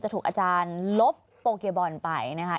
ถูกอาจารย์ลบโปเกบอลไปนะคะ